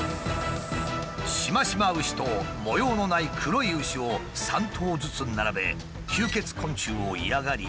シマシマ牛と模様のない黒い牛を３頭ずつ並べ吸血昆虫を嫌がり